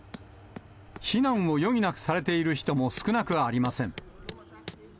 避難を余儀なくされている人も少なくありません。